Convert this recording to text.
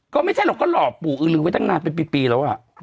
ก็ไม่ใช่หรอกก็หล่อปู่อื้อลือไว้ตั้งนานเป็นปีแล้ว